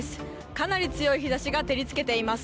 かなり強い日差しが照りつけています。